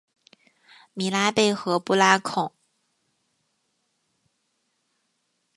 米拉贝和布拉孔。